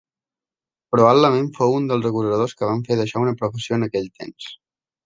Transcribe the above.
Probablement fou un dels acusadors que van fer d'això una professió en aquell temps.